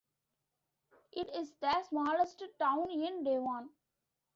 It is the smallest town in Devon.